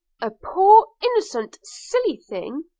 a poor innocent silly thing!